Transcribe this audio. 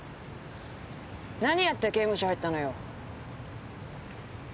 何やって刑務所入ったのよ？